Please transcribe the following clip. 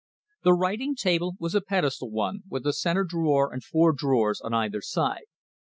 The writing table was a pedestal one, with a centre drawer and four drawers on either side.